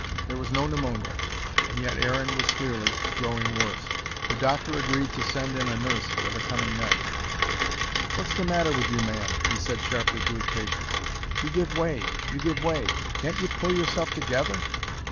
There was no pneumonia. And yet Aaron was clearly growing worse. The doctor agreed to send in a nurse for the coming night. "What's the matter with you, man!" he said sharply to his patient. "You give way! You give way! Can't you pull yourself together?"